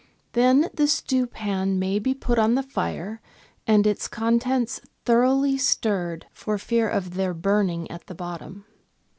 Then the stewpan may be put on the fire, and its contents thoroughly stirred, for fear of their burning at the bottom.